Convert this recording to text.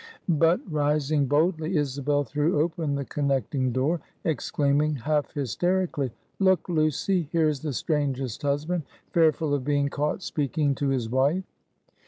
But rising boldly, Isabel threw open the connecting door, exclaiming half hysterically "Look, Lucy; here is the strangest husband; fearful of being caught speaking to his wife!"